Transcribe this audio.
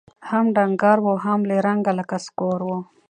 هم ډنګر وو هم له رنګه لکه سکور وو